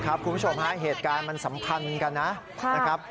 ครับคุณผู้ชมเหตุการณ์มันสำคัญกันนะ